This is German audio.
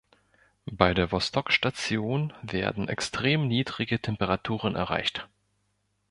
Bei der Wostok-Station werden extrem niedrige Temperaturen erreicht.